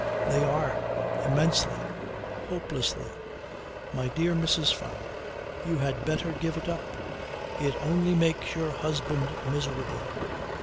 "They are. Immensely! Hopelessly! My dear Mrs. Fyne, you had better give it up! It only makes your husband miserable."